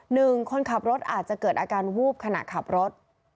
หนึ่งคนขับรถอาจจะเกิดอาการวูบขณะขับรถ